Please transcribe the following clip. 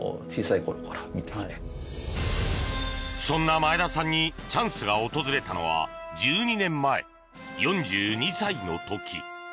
そんな前田さんにチャンスが訪れたのは１２年前４２歳の時。